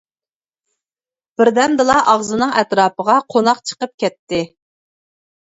بىردەمدىلا ئاغزىنىڭ ئەتراپىغا قوناق چىقىپ كەتتى.